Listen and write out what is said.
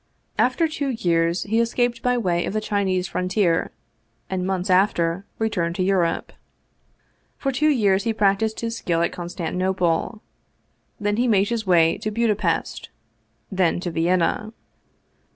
After two years he escaped by way of the Chinese frontier, and months after returned to Europe. For two years he practiced his skill at Constantinople. Then he made his way to Buda Pesth, then to Vienna.